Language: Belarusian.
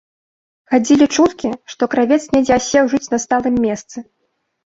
Хадзілі чуткі, што кравец недзе асеў жыць на сталым месцы.